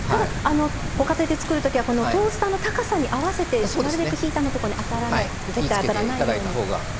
ご家庭で作るときはトースターの高さに合わせてなるべくヒーターのところに当たらないように。